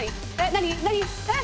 何？